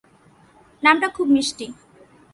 নামটা খুব মিষ্টি।